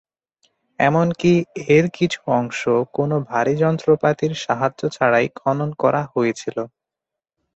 এমনকি এর কিছু অংশ কোনো ভারী যন্ত্রপাতির সাহায্য ছাড়াই খনন করা হয়েছিল।